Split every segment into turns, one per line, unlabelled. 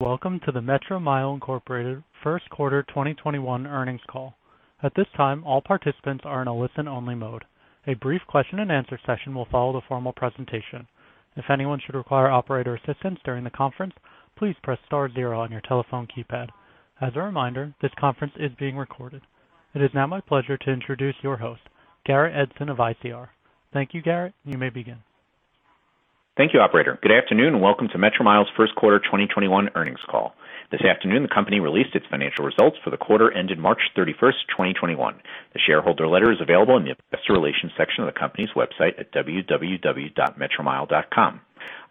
Welcome to the Metromile Incorporated First Quarter 2021 Earnings Call. At this time, all participants are in a listen-only mode. A brief question and answer session will follow the formal presentation. If anyone should require operator assistance during the conference, please press star zero on your telephone keypad. As a reminder, this conference is being recorded. It is now my pleasure to introduce your host, Garrett Edson of ICR. Thank you, Garrett. You may begin.
Thank you, operator. Good afternoon, and welcome to Metromile's First Quarter 2021 Earnings Call. This afternoon, the company released its financial results for the quarter ending March 31st, 2021. The shareholder letter is available in the Investor Relations section of the company's website at www.metromile.com.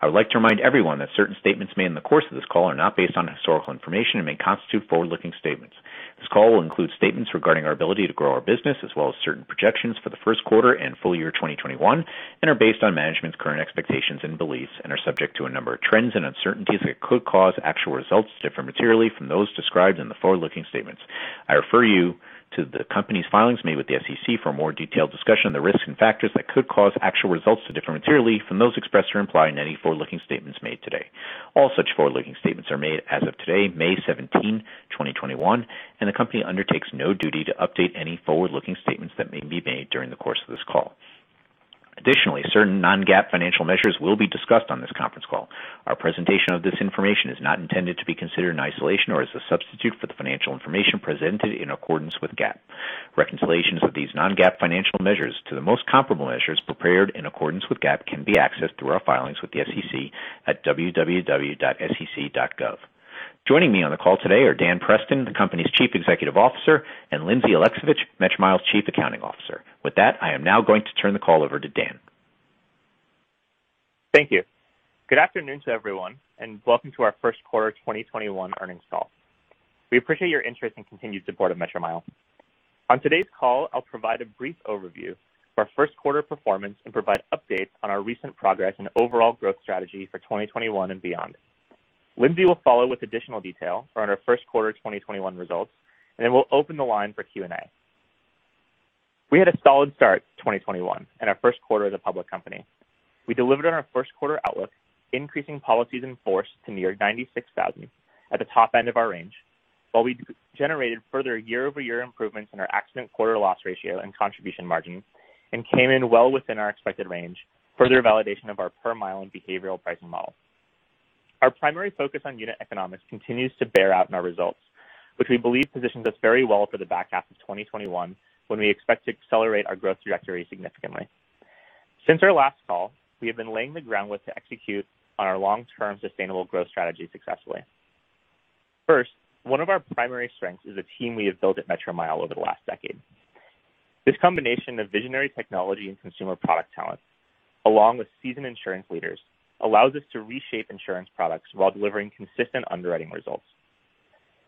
I would like to remind everyone that certain statements made in the course of this call are not based on historical information and may constitute forward-looking statements. This call will include statements regarding our ability to grow our business as well as certain projections for the first quarter and full year 2021, and are based on management's current expectations and beliefs and are subject to a number of trends and uncertainties that could cause actual results to differ materially from those described in the forward-looking statements. I refer you to the company's filings made with the SEC for a more detailed discussion of the risks and factors that could cause actual results to differ materially from those expressed or implied in any forward-looking statements made today. All such forward-looking statements are made as of today, May 17, 2021, and the company undertakes no duty to update any forward-looking statements that may be made during the course of this call. Additionally, certain non-GAAP financial measures will be discussed on this conference call. Our presentation of this information is not intended to be considered in isolation or as a substitute for the financial information presented in accordance with GAAP. Reconciliations of these non-GAAP financial measures to the most comparable measures prepared in accordance with GAAP can be accessed through our filings with the SEC at www.sec.gov. Joining me on the call today are Dan Preston, the company's Chief Executive Officer, and Lindsay Alexovich, Metromile's Chief Accounting Officer. With that, I am now going to turn the call over to Dan.
Thank you. Good afternoon to everyone. Welcome to our first quarter 2021 earnings call. We appreciate your interest and continued support of Metromile. On today's call, I'll provide a brief overview of our first quarter performance and provide updates on our recent progress and overall growth strategy for 2021 and beyond. Lindsay will follow with additional detail on our first quarter 2021 results. Then we'll open the line for Q&A. We had a solid start to 2021 and our first quarter as a public company. We delivered on our first quarter outlook, increasing policies in force to near 96,000 at the top end of our range, while we generated further year-over-year improvements in our accident quarter loss ratio and contribution margins and came in well within our expected range, further validation of our per mile and behavioral pricing model. Our primary focus on unit economics continues to bear out in our results, which we believe positions us very well for the back half of 2021 when we expect to accelerate our growth trajectory significantly. Since our last call, we have been laying the groundwork to execute on our long-term sustainable growth strategy successfully. First, one of our primary strengths is the team we have built at Metromile over the last decade. This combination of visionary technology and consumer product talent, along with seasoned insurance leaders, allows us to reshape insurance products while delivering consistent underwriting results.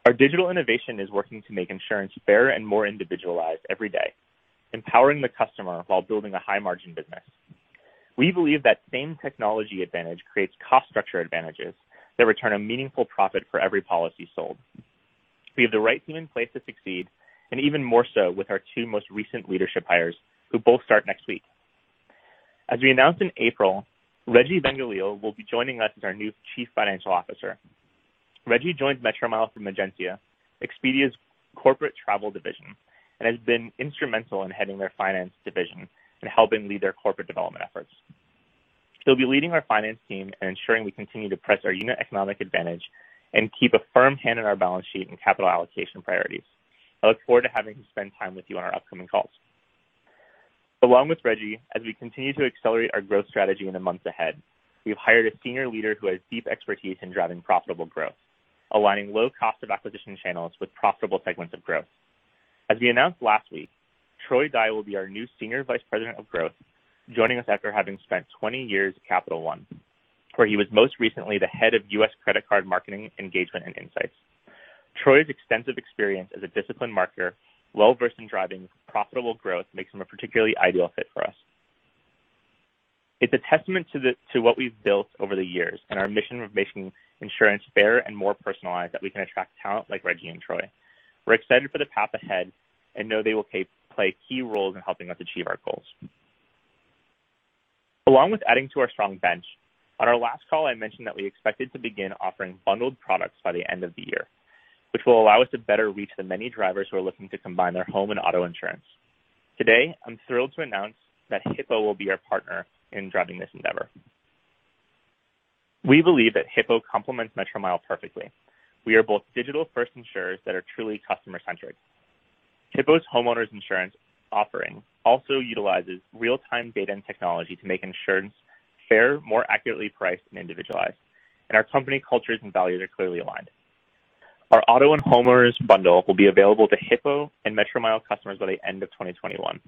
Our digital innovation is working to make insurance fairer and more individualized every day, empowering the customer while building a high-margin business. We believe that same technology advantage creates cost structure advantages that return a meaningful profit for every policy sold. We have the right team in place to succeed, and even more so with our two most recent leadership hires, who both start next week. As we announced in April, Regi Vengalil will be joining us as our new Chief Financial Officer. Regi joins Metromile from Egencia, Expedia's corporate travel division, and has been instrumental in heading their finance division and helping lead their corporate development efforts. He'll be leading our finance team and ensuring we continue to press our unit economic advantage and keep a firm hand on our balance sheet and capital allocation priorities. I look forward to having him spend time with you on our upcoming calls. Along with Regi, as we continue to accelerate our growth strategy in the months ahead, we've hired a senior leader who has deep expertise in driving profitable growth, aligning low cost of acquisition channels with profitable segments of growth. As we announced last week, Troy Dye will be our new Senior Vice President of Growth, joining us after having spent 20 years at Capital One, where he was most recently the head of U.S. credit card marketing, engagement, and insights. Troy's extensive experience as a disciplined marketer well-versed in driving profitable growth makes him a particularly ideal fit for us. It's a testament to what we've built over the years and our mission of making insurance fairer and more personalized that we can attract talent like Regi and Troy. We're excited for the path ahead and know they will play a key role in helping us achieve our goals. Along with adding to our strong bench, on our last call I mentioned that we expected to begin offering bundled products by the end of the year, which will allow us to better reach the many drivers who are looking to combine their home and auto insurance. Today, I'm thrilled to announce that Hippo will be our partner in driving this endeavor. We believe that Hippo complements Metromile perfectly. We are both digital-first insurers that are truly customer-centric. Hippo's homeowners insurance offering also utilizes real-time data and technology to make insurance fairer, more accurately priced, and individualized, and our company cultures and values are clearly aligned. Our auto and homeowners bundle will be available to Hippo and Metromile customers by the end of 2021.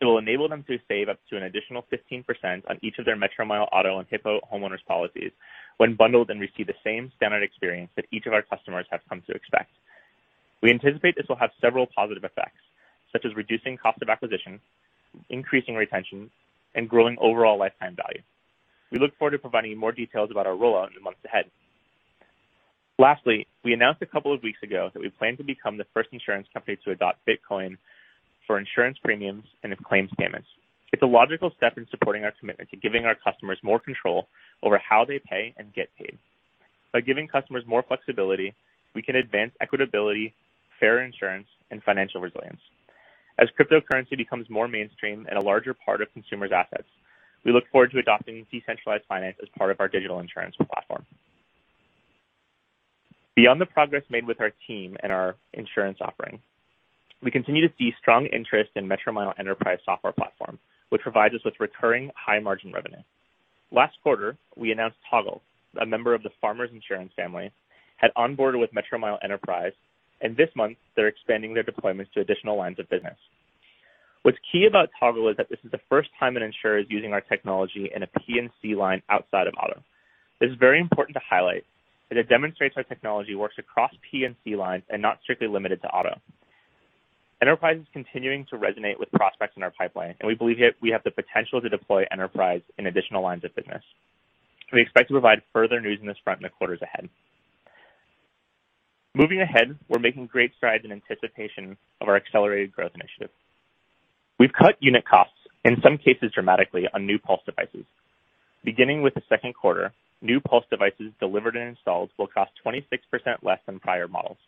It will enable them to save up to an additional 15% on each of their Metromile auto and Hippo homeowners policies when bundled and receive the same standard experience that each of our customers have come to expect. We anticipate this will have several positive effects, such as reducing cost of acquisition, increasing retention, and growing overall lifetime value. We look forward to providing more details about our rollout in the months ahead. Lastly, we announced a couple of weeks ago that we plan to become the first insurance company to adopt Bitcoin for insurance premiums and claims payments. It's a logical step in supporting our commitment to giving our customers more control over how they pay and get paid. By giving customers more flexibility, we can advance equitability, fair insurance, and financial resilience. As cryptocurrency becomes more mainstream and a larger part of consumers' assets, we look forward to adopting decentralized finance as part of our digital insurance platform. Beyond the progress made with our team and our insurance offering, we continue to see strong interest in Metromile Enterprise software platform, which provides us with recurring high margin revenue. Last quarter, we announced Toggle, a member of the Farmers Insurance family, had onboarded with Metromile Enterprise. This month they're expanding their deployments to additional lines of business. What's key about Toggle is that this is the first time an insurer is using our technology in a P&C line outside of auto. It's very important to highlight that it demonstrates our technology works across P&C lines and not strictly limited to auto. Enterprise is continuing to resonate with prospects in our pipeline, and we believe we have the potential to deploy Enterprise in additional lines of business, and we expect to provide further news on this front in the quarters ahead. Moving ahead, we're making great strides in anticipation of our accelerated growth initiatives. We've cut unit costs, in some cases dramatically, on new Pulse devices. Beginning with the second quarter, new Pulse devices delivered and installed will cost 26% less than prior models.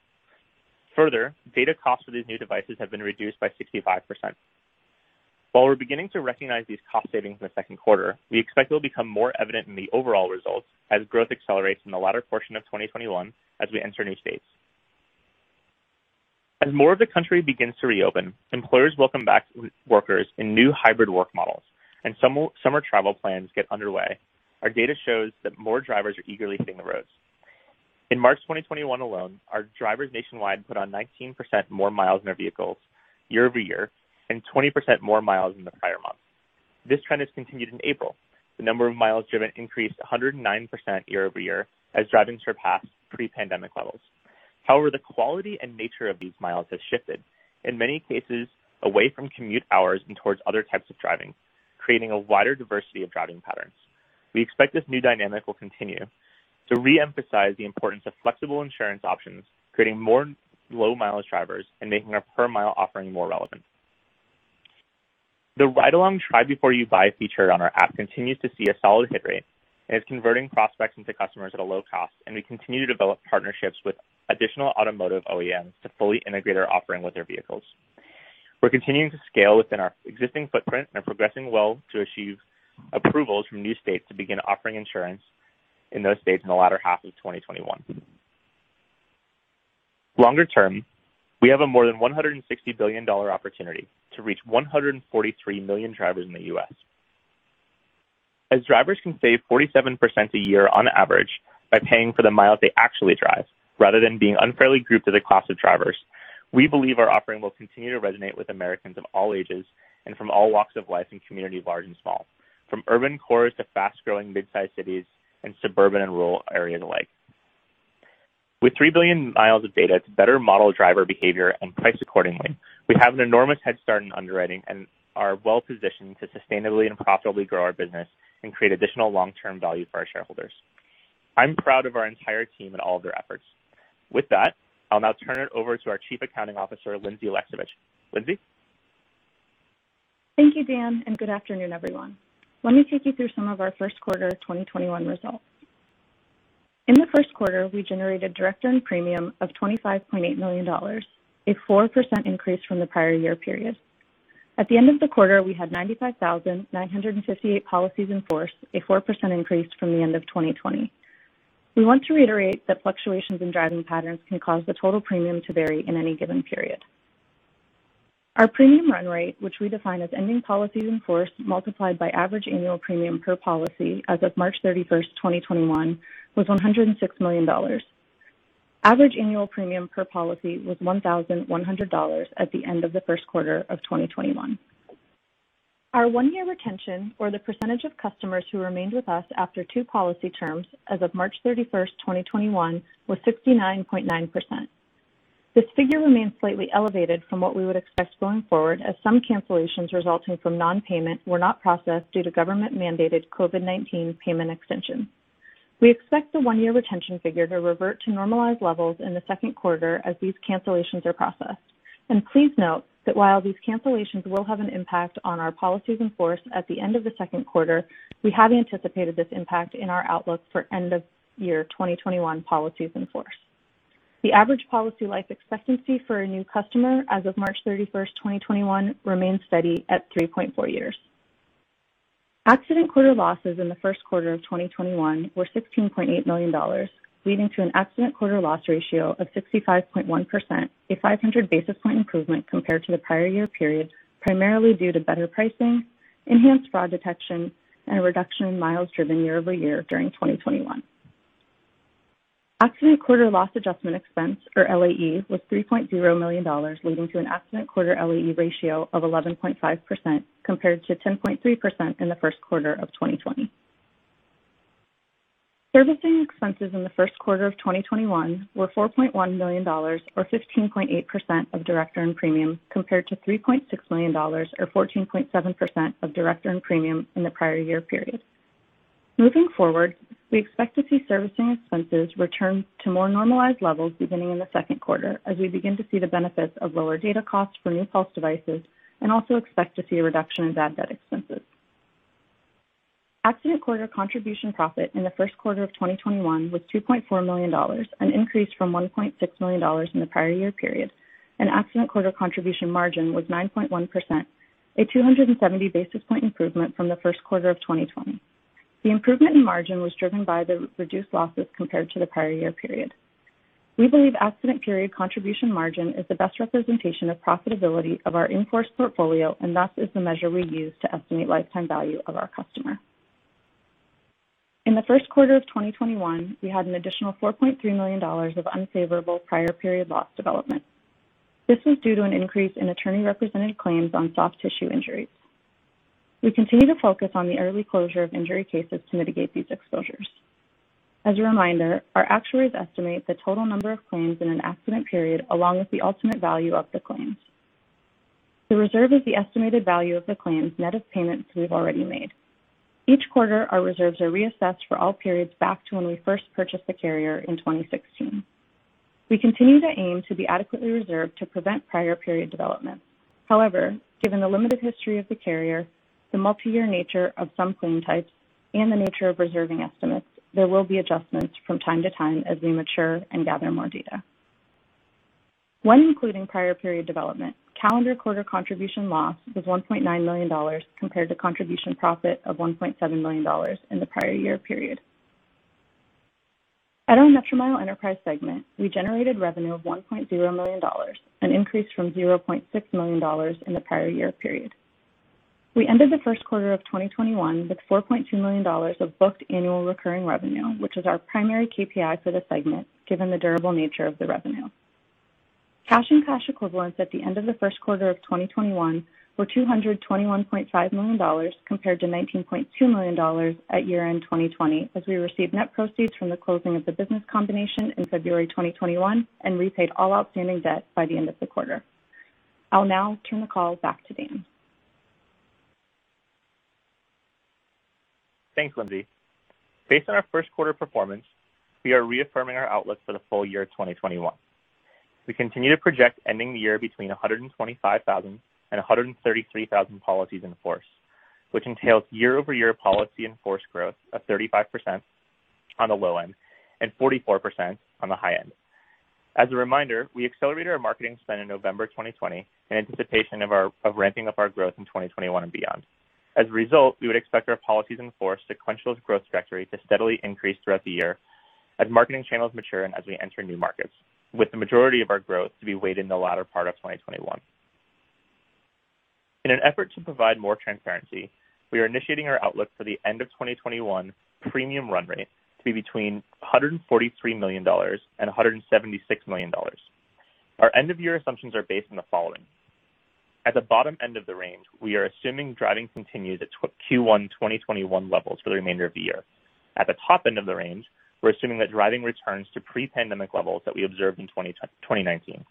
Further, data costs for these new devices have been reduced by 65%. While we're beginning to recognize these cost savings in the second quarter, we expect it will become more evident in the overall results as growth accelerates in the latter portion of 2021 as we enter new states. As more of the country begins to reopen, employers welcome back workers in new hybrid work models and summer travel plans get underway, our data shows that more drivers are eagerly hitting the roads. In March 2021 alone, our drivers nationwide put on 19% more miles on their vehicles year-over-year and 20% more miles than the prior month. This trend has continued in April. The number of miles driven increased 109% year-over-year as driving surpassed pre-pandemic levels. The quality and nature of these miles has shifted, in many cases, away from commute hours and towards other types of driving, creating a wider diversity of driving patterns. We expect this new dynamic will continue to reemphasize the importance of flexible insurance options, creating more low-mileage drivers, and making our per mile offering more relevant. The Ride Along try before you buy feature on our app continues to see a solid hit rate and is converting prospects into customers at a low cost. We continue to develop partnerships with additional automotive OEMs to fully integrate our offering with their vehicles. We're continuing to scale within our existing footprint and are progressing well to achieve approvals from new states to begin offering insurance in those states in the latter half of 2021. Longer term, we have a more than $160 billion opportunity to reach 143 million drivers in the U.S. As drivers can save 47% a year on average by paying for the mile they actually drive rather than being unfairly grouped with the cost of drivers, we believe our offering will continue to resonate with Americans of all ages and from all walks of life in communities large and small, from urban cores to fast-growing mid-sized cities and suburban and rural areas alike. With 3 billion miles of data to better model driver behavior and price accordingly, we have an enormous head start in underwriting and are well-positioned to sustainably and profitably grow our business and create additional long-term value for our shareholders. I'm proud of our entire team and all of their efforts. With that, I'll now turn it over to our Chief Accounting Officer, Lindsay Alexovich. Lindsay?
Thank you, Dan. Good afternoon, everyone. Let me take you through some of our first quarter 2021 results. In the first quarter, we generated direct earned premium of $25.8 million, a 4% increase from the prior year period. At the end of the quarter, we had 95,958 policies in force, a 4% increase from the end of 2020. We want to reiterate that fluctuations in driving patterns can cause the total premium to vary in any given period. Our premium run rate, which we define as ending policies in force multiplied by average annual premium per policy as of March 31st, 2021, was $106 million. Average annual premium per policy was $1,100 at the end of the first quarter of 2021. Our one-year retention, or the percentage of customers who remained with us after two policy terms as of March 31st, 2021, was 69.9%. This figure remains slightly elevated from what we would expect going forward, as some cancellations resulting from non-payment were not processed due to government-mandated COVID-19 payment extensions. We expect the one-year retention figure to revert to normalized levels in the second quarter as these cancellations are processed. Please note that while these cancellations will have an impact on our policies in force at the end of the second quarter, we had anticipated this impact in our outlook for end of year 2021 policies in force. The average policy life expectancy for a new customer as of March 31st, 2021, remains steady at 3.4 years. Accident quarter losses in the first quarter of 2021 were $16.8 million, leading to an accident quarter loss ratio of 65.1%, a 500 basis point improvement compared to the prior year period, primarily due to better pricing, enhanced fraud detection, and a reduction in miles driven year-over-year during 2021. Accident quarter loss adjustment expense for LAE was $3.0 million, leading to an accident quarter LAE ratio of 11.5% compared to 10.3% in the first quarter of 2020. Servicing expenses in the first quarter of 2021 were $4.1 million or 16.8% of direct earned premium compared to $3.6 million or 14.7% of direct earned premium in the prior year period. Moving forward, we expect to see servicing expenses return to more normalized levels beginning in the second quarter as we begin to see the benefits of lower data costs from the in-house devices and also expect to see a reduction in bad debt expenses. Accident quarter contribution profit in the first quarter of 2021 was $2.4 million, an increase from $1.6 million in the prior year period, and accident quarter contribution margin was 9.1%, a 270 basis point improvement from the first quarter of 2020. The improvement in margin was driven by the reduced losses compared to the prior year period. We believe accident quarter contribution margin is the best representation of profitability of our in-force portfolio, and thus is the measure we use to estimate lifetime value of our customer. In the first quarter of 2021, we had an additional $4.3 million of unfavorable prior period loss development. This was due to an increase in attorney-represented claims on soft tissue injuries. We continue to focus on the early closure of injury cases to mitigate these exposures. As a reminder, our actuaries estimate the total number of claims in an accident quarter along with the ultimate value of the claims. The reserve is the estimated value of the claims, net of payments we've already made. Each quarter, our reserves are reassessed for all periods back to when we first purchased the carrier in 2016. We continue to aim to be adequately reserved to prevent prior period development. However, given the limited history of the carrier, the multi-year nature of some claim types, and the nature of reserving estimates, there will be adjustments from time to time as we mature and gather more data. When including prior period development, calendar quarter contribution loss was $1.9 million compared to contribution profit of $1.7 million in the prior year period. At our Metromile Enterprise segment, we generated revenue of $1.0 million, an increase from $0.6 million in the prior year period. We ended the first quarter of 2021 with $4.2 million of booked annual recurring revenue, which is our primary KPI for the segment, given the durable nature of the revenue. Cash and cash equivalents at the end of the first quarter of 2021 were $221.5 million compared to $19.2 million at year-end 2020 as we received net proceeds from the closing of the business combination in February 2021 and repaid all outstanding debt by the end of the quarter. I'll now turn the call back to Dan.
Thanks, Lindsay. Based on our first quarter performance, we are reaffirming our outlook for the full year 2021. We continue to project ending the year between 125,000 and 133,000 policies in force, which entails year-over-year policy in force growth of 35% on the low end and 44% on the high end. As a reminder, we accelerated our marketing spend in November 2020 in anticipation of ramping up our growth in 2021 and beyond. As a result, we would expect our policies in force sequential growth trajectory to steadily increase throughout the year as marketing channels mature and as we enter new markets, with the majority of our growth to be weighted in the latter part of 2021. In an effort to provide more transparency, we are initiating our outlook for the end of 2021 premium run rate to be between $143 million and $176 million. Our end-of-year assumptions are based on the following. At the bottom end of the range, we are assuming driving continues at Q1 2021 levels for the remainder of the year. At the top end of the range, we're assuming that driving returns to pre-pandemic levels that we observed in 2019.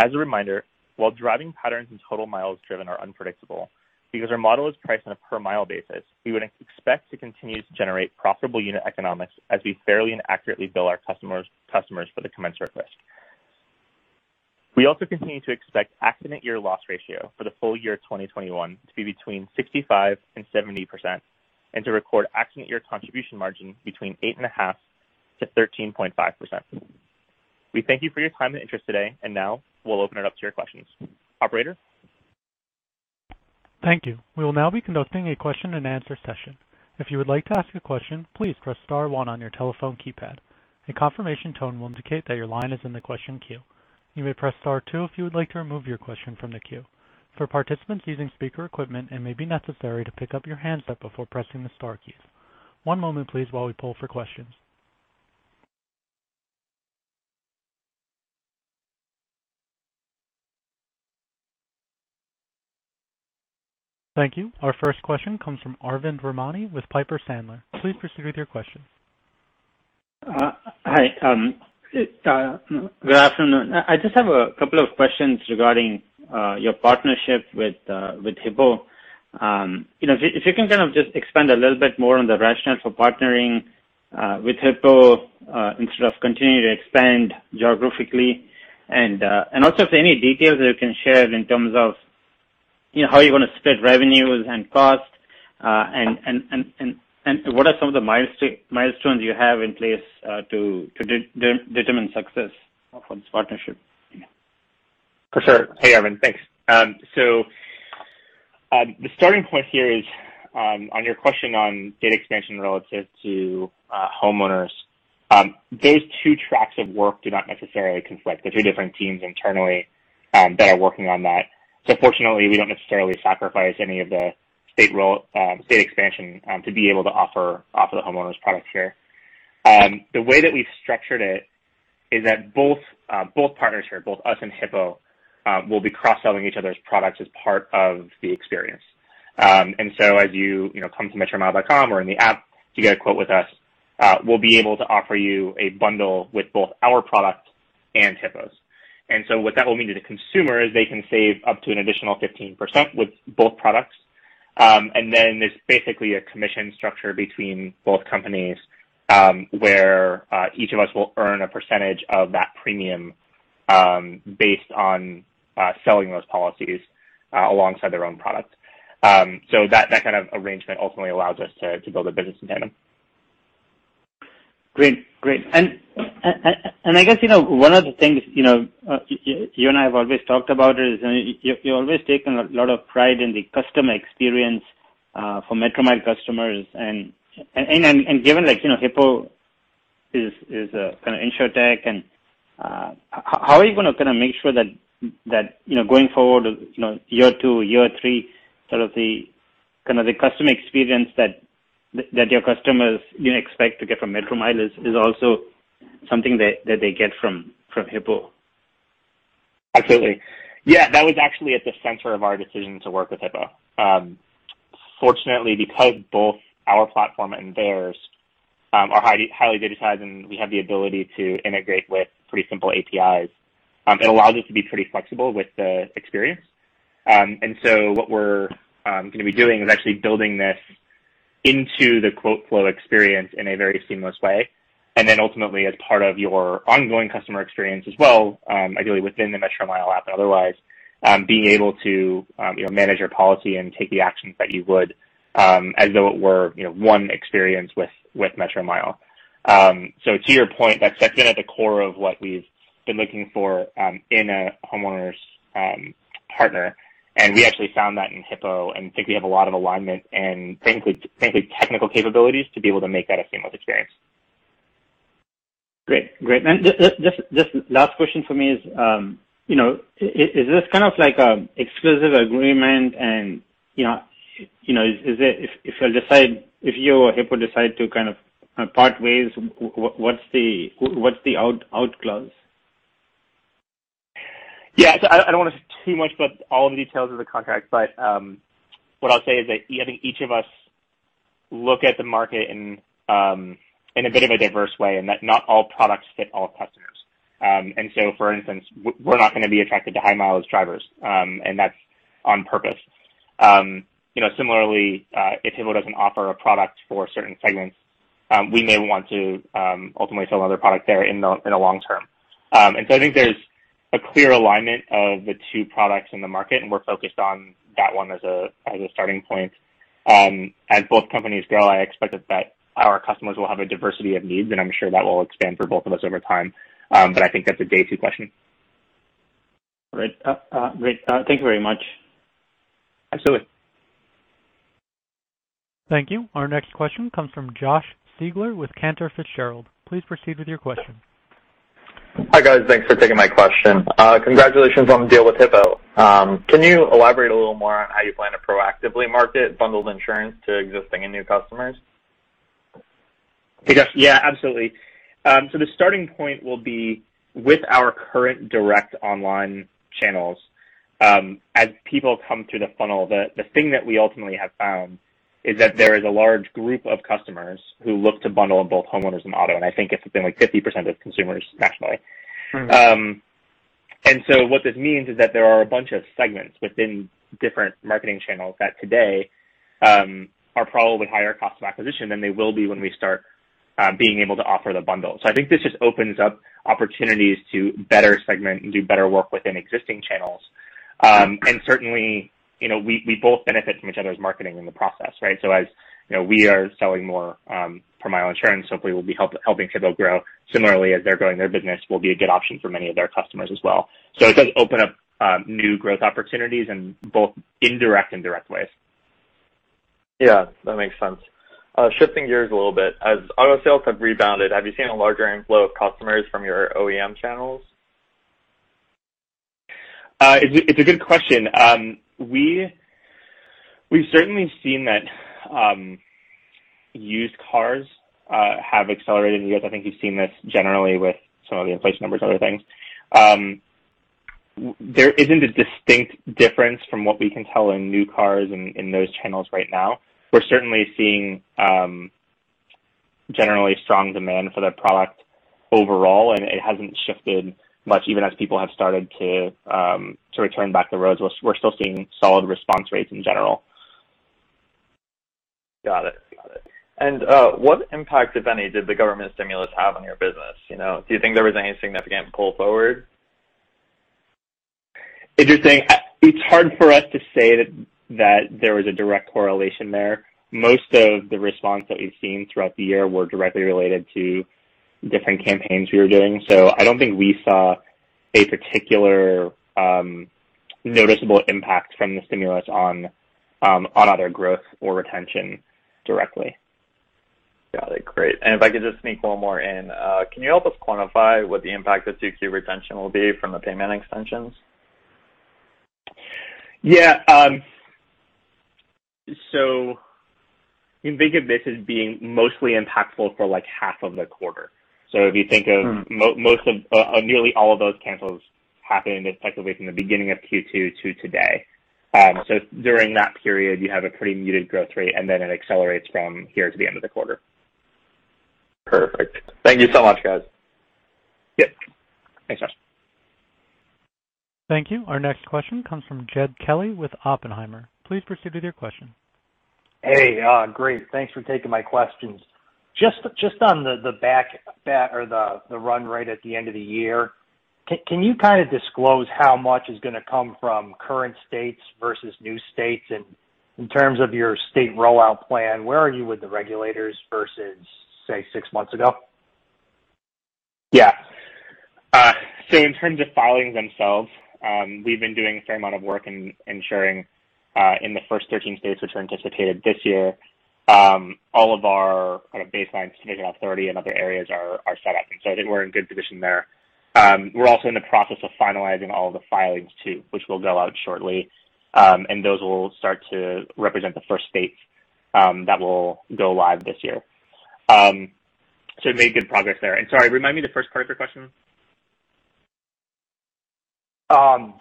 As a reminder, while driving patterns and total miles driven are unpredictable, because our model is priced on a per mile basis, we would expect to continue to generate profitable unit economics as we fairly and accurately bill our customers for the coverage requested. We also continue to expect accident year loss ratio for the full year 2021 to be between 65%-70% and to record accident year contribution margin between 8.5%-13.5%. We thank you for your time and interest today, and now we'll open it up to your questions. Operator?
Thank you. We'll now be conducting a question and answer session. If you would like to ask a question, please press star one on your telephone keypad. A confirmation tone will indicate that your line is in the question queue. You may press star two if you would like to remove your question from the queue. For participants using speaker equipment, it may be necessary to pick up your handset before pressing the star keys. One moment, please, while we pull for questions. Thank you. Our first question comes from Arvind Ramani with Piper Sandler. Please proceed with your question.
Hi. Good afternoon. I just have a couple of questions regarding your partnership with Hippo. If you can kind of just expand a little bit more on the rationale for partnering with Hippo instead of continuing to expand geographically. Also if there's any details you can share in terms of how you want to split revenues and cost, and what are some of the milestones you have in place to determine success of this partnership?
For sure. Hey, Arvind. Thanks. The starting point here is on your question on data expansion relative to homeowners. Those two tracks of work do not necessarily conflict. There's different teams internally that are working on that. Fortunately, we don't necessarily sacrifice any of the state expansion to be able to offer the homeowners product here. The way that we've structured it is that both partners here, both us and Hippo, will be cross-selling each other's products as part of the experience. As you come to metromile.com or in the app, you get a quote with us. We'll be able to offer you a bundle with both our product and Hippo's. What that will mean to consumers, they can save up to an additional 15% with both products. Then there's basically a commission structure between both companies, where each of us will earn a percentage of that premium based on selling those policies alongside our own product. That kind of arrangement ultimately allows us to build a business together.
Great. I guess one of the things you and I have always talked about is you've always taken a lot of pride in the customer experience for Metromile customers. Given that Hippo is an insurtech, how are you going to make sure that going forward year two, year three, the kind of the customer experience that your customers expect to get from Metromile is also something that they get from Hippo?
Absolutely. Yeah. That was actually at the center of our decision to work with Hippo. Fortunately, because both our platform and theirs are highly digitized and we have the ability to integrate with pretty simple APIs, it allows us to be pretty flexible with the experience. What we're going to be doing is actually building this into the quote flow experience in a very seamless way, and then ultimately, as part of your ongoing customer experience as well, ideally within the Metromile app otherwise, being able to manage your policy and take the actions that you would as though it were one experience with Metromile. To your point, that's been at the core of what we've been looking for in a homeowners partner. We actually found that in Hippo and think we have a lot of alignment and frankly, technical capabilities to be able to make that a seamless experience.
Great. Just last question for me is this kind of like an exclusive agreement and if you or Hippo decide to part ways, what's the out clause?
Yeah. I don't want to say too much about all the details of the contract, but what I'll say is that I think each of us look at the market in a bit of a diverse way in that not all products fit all customers. For instance, we're not going to be attracted to high mileage drivers, and that's on purpose. Similarly, if Hippo doesn't offer a product for certain segments, we may want to ultimately sell other products there in the long term. I think there's a clear alignment of the two products in the market, and we're focused on that one as a starting point. As both companies scale, I expect that our customers will have a diversity of needs, and I'm sure that will expand for both of us over time. I think that's a day two question.
Great. Thank you very much.
Absolutely.
Thank you. Our next question comes from Josh Siegler with Cantor Fitzgerald. Please proceed with your question.
Hi, guys. Thanks for taking my question. Congratulations on the deal with Hippo. Can you elaborate a little more on how you plan to proactively market bundled insurance to existing and new customers?
Yeah, absolutely. The starting point will be with our current direct online channels. As people come through the funnel, the thing that we ultimately have found is that there is a large group of customers who look to bundle both homeowners and auto. I think it's something like 50% of consumers, actually. What this means is that there are a bunch of segments within different marketing channels that today are probably higher cost to acquisition than they will be when we start being able to offer the bundle. I think this just opens up opportunities to better segment and do better work within existing channels. Certainly, we both benefit from each other's marketing in the process, right? As we are selling more Metromile insurance, hopefully we'll be helping Hippo grow. Similarly, as they're growing their business will be a good option for many of their customers as well. It does open up new growth opportunities in both indirect and direct ways.
Yeah, that makes sense. Shifting gears a little bit, as auto sales have rebounded, have you seen a larger inflow of customers from your OEM channels?
It's a good question. We've certainly seen that used cars have accelerated. I think you've seen this generally with some of the inflation numbers and other things. There isn't a distinct difference from what we can tell in new cars in those channels right now. We're certainly seeing generally strong demand for the product overall, and it hasn't shifted much even as people have started to return back to the roads. We're still seeing solid response rates in general.
Got it. What impact, if any, did the government stimulus have on your business? Do you think there was anything that got pulled forward?
Interesting. It's hard for us to say that there was a direct correlation there. Most of the response that we've seen throughout the year were directly related to different campaigns we were doing. I don't think we saw a particular noticeable impact from the stimulus on either growth or retention directly.
Got it. Great. If I could just sneak one more in. Can you help us quantify what the impact to Q2 retention will be from the payment extensions?
Yeah. you can think of this as being mostly impactful for half of the quarter. If you think of nearly all of those cancels happening effectively from the beginning of Q2 to today. During that period, you have a pretty muted growth rate, and then it accelerates from here to the end of the quarter.
Perfect. Thank you so much, guys.
Yeah. Thanks, Josh.
Thank you. Our next question comes from Jed Kelly with Oppenheimer. Please proceed with your question.
Hey, great. Thanks for taking my questions. Just on the back or the run rate at the end of the year, can you disclose how much is going to come from current states versus new states, and in terms of your state rollout plan, where are you with the regulators versus, say, six months ago?
Yeah. In terms of filings themselves, we've been doing a fair amount of work in ensuring, in the first 13 states which are anticipated this year, all of our baseline certificate of authority and other areas are set up. I think we're in good position there. We're also in the process of finalizing all the filings too, which will go out shortly. Those will start to represent the first states that will go live this year. Making good progress there. Sorry, remind me of the first part of your question.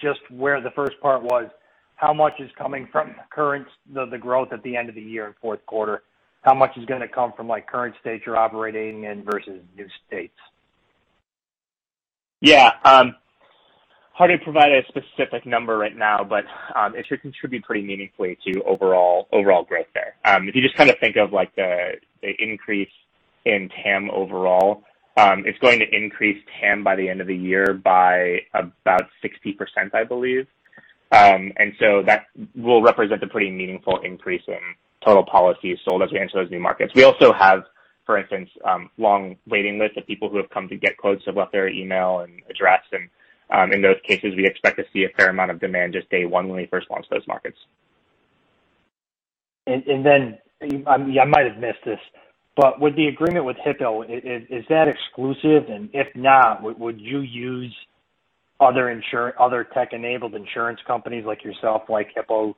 Just where the first part was, how much is coming from the growth at the end of the year in the fourth quarter, how much is going to come from current states you're operating in versus new states?
Yeah. Hard to provide a specific number right now, but it should contribute pretty meaningfully to overall growth there. If you just think of the increase in TAM overall, it's going to increase TAM by the end of the year by about 60%, I believe. That will represent a pretty meaningful increase in total policies sold into those new markets. We also have, for instance, long waiting lists of people who have come to get quotes who've left their email and address, and in those cases, we expect to see a fair amount of demand just day one when we first launch those markets.
Then, I might have missed this, but with the agreement with Hippo, is that exclusive? If not, would you use other tech-enabled insurance companies like yourself, like Hippo,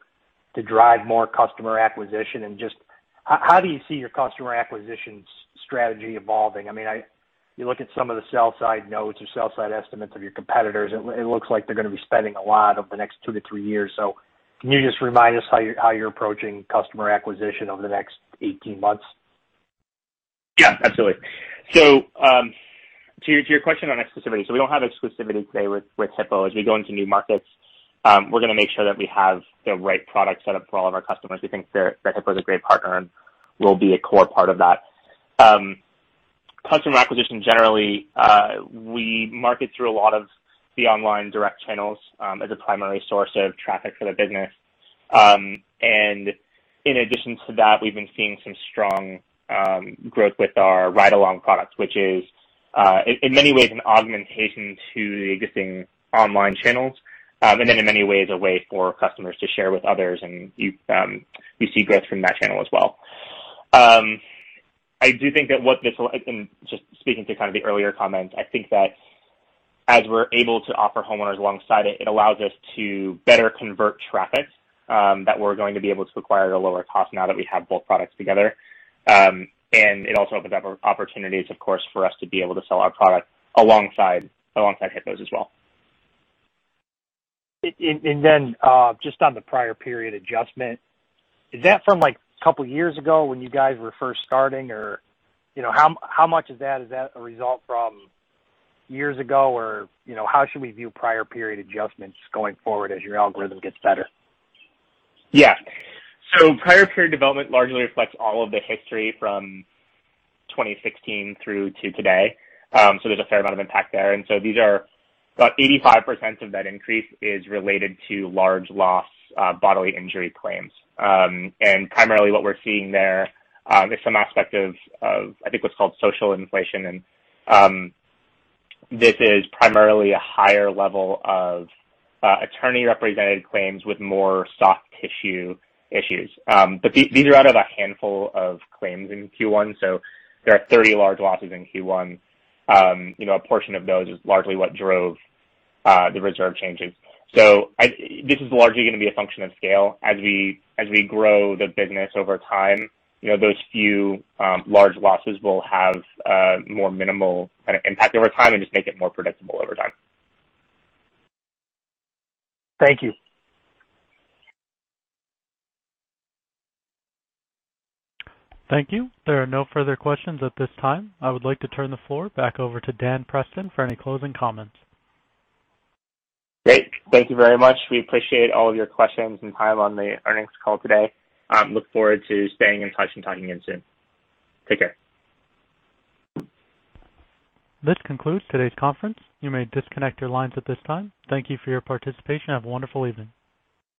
to drive more customer acquisition? Just how do you see your customer acquisition strategy evolving? You look at some of the sell-side notes or sell-side estimates of your competitors, it looks like they're going to be spending a lot over the next 2-3 years. Can you just remind us how you're approaching customer acquisition over the next 18 months?
Yeah, absolutely. To your question on exclusivity, we don't have exclusivity today with Hippo. As we go into new markets, we're going to make sure that we have the right product set up for all of our customers. We think that Hippo is a great partner and will be a core part of that. Customer acquisition, generally, we market through a lot of the online direct channels as a primary source of traffic for the business. In addition to that, we've been seeing some strong growth with our Ride Along, which is, in many ways, an augmentation to the existing online channels. In many ways, a way for customers to share with others, and we see growth from that channel as well. I do think that just speaking to the earlier comment, I think that as we're able to offer homeowners alongside it allows us to better convert traffic that we're going to be able to acquire at a lower cost now that we have both products together. It also opens up opportunities, of course, for us to be able to sell our product alongside Hippo's as well.
Just on the prior period adjustment, is that from a couple of years ago when you guys were first starting or how much of that is a result from years ago or how should we view prior period adjustments going forward as your algorithm gets better?
Yeah. Prior period development largely reflects all of the history from 2016 through to today. There's a fair amount of impact there. These are about 85% of that increase is related to large loss bodily injury claims. Primarily what we're seeing there is some aspect of, I think what's called social inflation, and this is primarily a higher level of attorney-represented claims with more soft tissue issues. These are out of a handful of claims in Q1, so there are 30 large losses in Q1. A portion of those is largely what drove the reserve changes. This is largely going to be a function of scale. As we grow the business over time, those few large losses will have more minimal impact over time and just make it more predictable over time.
Thank you.
Thank you. There are no further questions at this time. I would like to turn the floor back over to Dan Preston for any closing comments.
Great. Thank you very much. We appreciate all your questions and time on the earnings call today. Look forward to staying in touch and talking again soon. Take care.
This concludes today's conference. You may disconnect your lines at this time. Thank you for your participation. Have a wonderful evening.